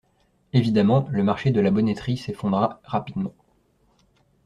Évidemment, le marché de la bonneterie s’effondra rapidement.